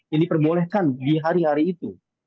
yang diperbolehkan di hari hari itu